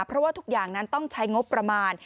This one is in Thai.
เพราะว่าทุกอย่างนั้นต้องใช้งบประมาณ